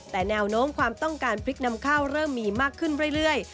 แต่แนวโน้มความต้องการพริกนำข้าวเริ่มมีมากขึ้นเรื่อย